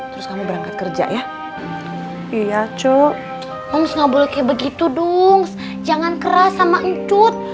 terus kamu berangkat kerja ya iya cuk moms nggak boleh kayak begitu duungs jangan keras sama enjut